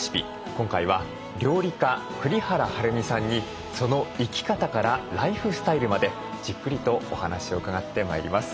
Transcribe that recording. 今回は料理家栗原はるみさんにその生き方からライフスタイルまでじっくりとお話を伺ってまいります。